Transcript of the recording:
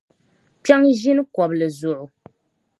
Kpiɔŋ ʒini kɔbili zuɣu.